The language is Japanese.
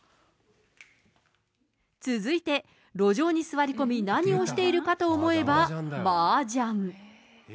続いて、路上に座り込み、何をしているかと思えば、マージャン。